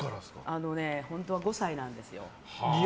あのね、本当は５歳なんですよ。